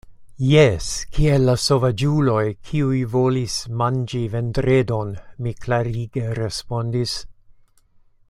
Jes, kiel la sovaĝuloj, kiuj volis manĝi Vendredon, mi klarige respondis.